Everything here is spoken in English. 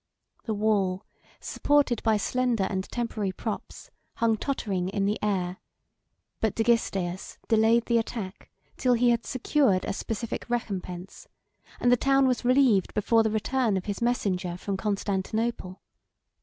The wall, supported by slender and temporary props, hung tottering in the air; but Dagisteus delayed the attack till he had secured a specific recompense; and the town was relieved before the return of his messenger from Constantinople.